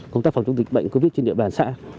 công tác phòng chống dịch bệnh covid trên địa bàn xã